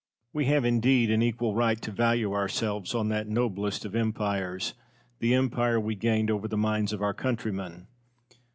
Cosmo. We have indeed an equal right to value ourselves on that noblest of empires, the empire we gained over the minds of our countrymen.